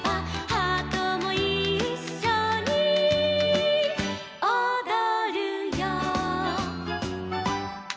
「ハートもいっしょにおどるよ」